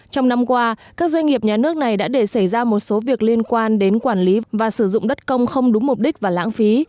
trong năm qua các doanh nghiệp nhà nước này đã để xảy ra một số việc liên quan đến quản lý và sử dụng đất công không đúng mục đích và lãng phí